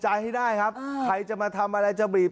จาให้ได้ครับใครจะมาทำอะไร